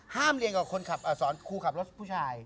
เรียนกับคนขับสอนครูขับรถผู้ชาย